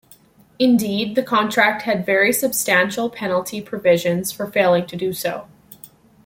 Indeed the contract had very substantial penalty provisions for failing to do so.